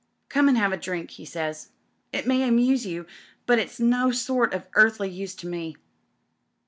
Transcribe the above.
Come and have a drink,' he says. 'It may amuse you, but it's no sort of earthly, use to me.'